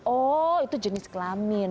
oh itu jenis kelamin